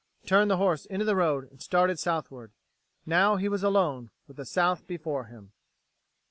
He turned the horse into the road, and started southward. Now he was alone, with the South before him.